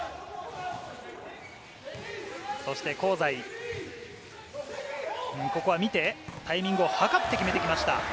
香西、見てタイミングを計って決めてきました。